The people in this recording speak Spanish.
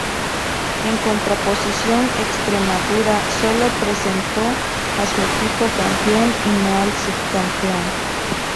En contraposición Extremadura solo presentó a su equipo campeón y no al subcampeón.